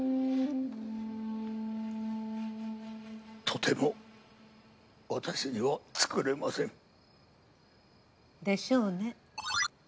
とても私には作れません。でしょうね。